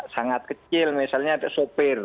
sangat kecil misalnya ada sopir